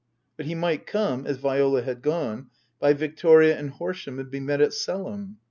But he might come, as Viola had gone, by Victoria and Horsham and be met at Selham.